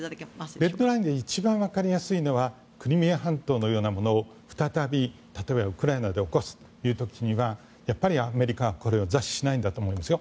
レッドラインで一番わかりやすいのはクリミア半島のようなものを再び、例えばウクライナで起こすという時にはアメリカはこれを座視しないんだと思いますよ。